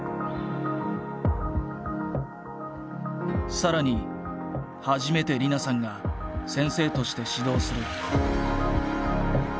更に初めて莉菜さんが先生として指導する。